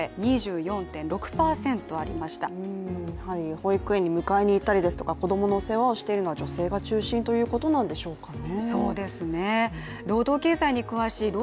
保育園に迎えにいったりですとか子供の世話をしているのは女性が中心ということなんでしょうかね。